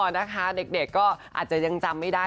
นะคะเด็กก็อาจจะยังจำไม่ได้